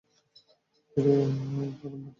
কিরে, উবাগরামের ভাতিজা!